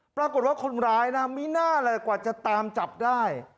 ปรากฏว่าคนร้ายนะไม่น่าเลยกว่าจะตามจับได้